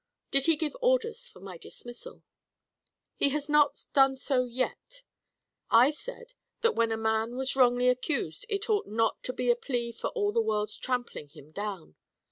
"Did he give orders for my dismissal?" "He has not done so yet. I said, that when a man was wrongly accused, it ought not to be a plea for all the world's trampling him down.